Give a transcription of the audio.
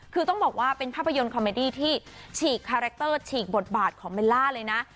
คือต้องบอกว่าเป็นภาพยนตร์คอมเมดี้ที่ฉีกคาแรคเตอร์ฉีกบทบาทของเบลล่าเลยนะ